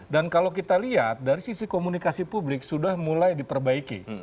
dan kalau kita lihat dari sisi komunikasi publik sudah mulai diperbaiki